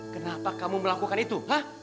kenapa kamu melakukan itu